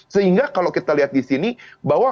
sehingga kalau kita lihat disini bahwa